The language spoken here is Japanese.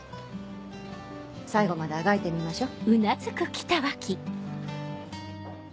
最後まであがいてみましょ。